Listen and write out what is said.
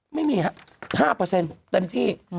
ไม่มี๕เปอร์เซ็นต์เต็มที่